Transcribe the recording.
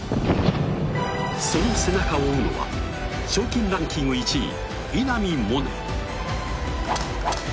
その背中を追うのは賞金ランキング１位、稲見萌寧。